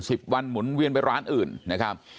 สิบวันหมุนเวียนไปร้านอื่นนะครับ